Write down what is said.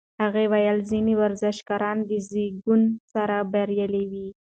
هغې وویل ځینې ورزشکاران د زېږون سره بریالي وي.